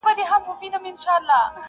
اوس چي راسي خو په څنګ را نه تېرېږي.